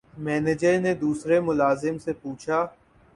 manager نے دوسرے ملازم سے پوچھا